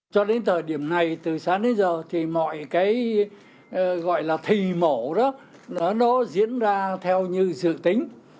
cho đến thời điểm này từ sáng đến giờ thì mọi cái gọi là thị mổ đó nó diễn ra theo như dự tính